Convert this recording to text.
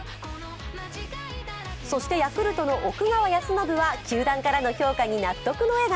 そしてヤクルトの奥川恭伸は、球団からの評価に納得の笑顔。